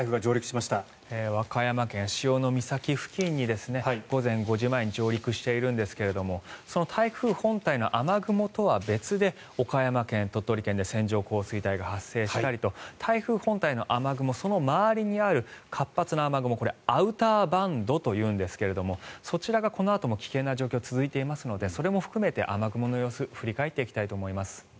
和歌山県・潮岬付近に午前５時前に上陸しているんですがその台風本体の雨雲とは別で岡山県、鳥取県で線状降水帯が発生したりと台風本体の雨雲その周りにある活発な雨雲これ、アウターバンドというんですがそちらがこのあとも危険な状況が続いていますのでそれも含めて雨雲の様子振り返っていきたいと思います。